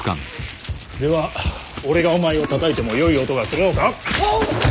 では俺がお前をたたいてもよい音がするのか。